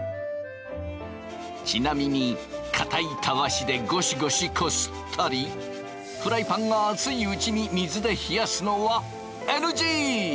ちなみに硬いタワシでゴシゴシこすったりフライパンが熱いうちに水で冷やすのはＮＧ！